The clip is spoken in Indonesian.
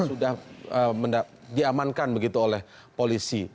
sudah diamankan begitu oleh polisi